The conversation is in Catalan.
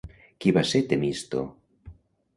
Qui va ser Temisto?